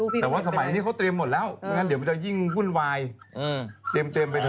เพราะว่าสมัยอย่างนี้เขาเตรียมหมดแล้วเดี๋ยวมันจะยิ่งวุ่นวายเตรียมเป็นไปเถอะ